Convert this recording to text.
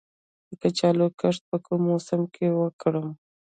د کچالو کښت په کوم موسم کې وکړم؟